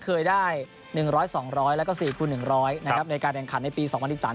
เคยได้หนึ่งร้อยสองร้อยแล้วก็สี่คู่หนึ่งร้อยนะครับในการแข่งขันในปีสองวันสิบสาม